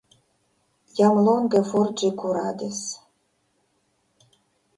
Jam longe for ĝi kuradis.